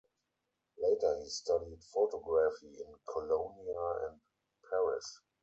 Later he studied photography in Colonia and Paris.